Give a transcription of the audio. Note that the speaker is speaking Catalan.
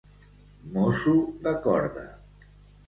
Mosso de corda.